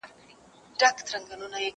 زه به زده کړه کړي وي؟